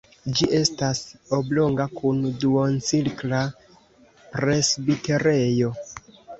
Ĝi estas oblonga kun duoncirkla presbiterejo.